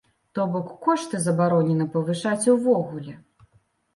То бок, кошты забаронена павышаць увогуле!